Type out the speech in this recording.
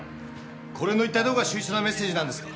これの一体どこが秀逸なメッセージなんですか？